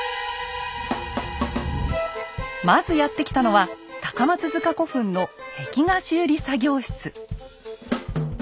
まずやって来たのは高松塚古墳の壁画修理作業室。